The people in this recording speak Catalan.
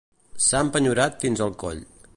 S'ha empenyorat fins al coll.